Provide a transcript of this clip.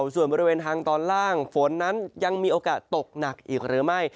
ส่วนบริเวณทางตอนล่างฝนนั้นยังมีโอกาสตกหนักอีกหรือไม่